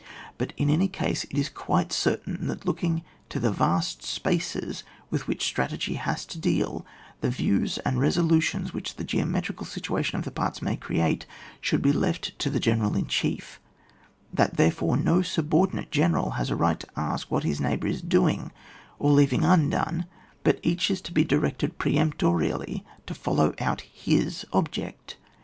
But in any case, it is quite certain, that looking to the vast spaces with which strategy has to deal, the views and re solutions which the geometrical situation of the parts may create, should be left to the general in chief ; that, therefore, no subordinate general has a right to ask what his neighbour is doing or leaving undone, but each is to be directed per emptorily to follow out his object.